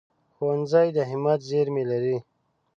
ښوونځی د همت زېرمې لري